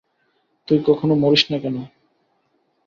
তুই কখনো মরিস না কেন?